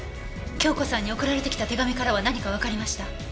京子さんに送られてきた手紙からは何かわかりました？